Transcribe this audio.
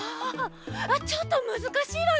ちょっとむずかしいわね。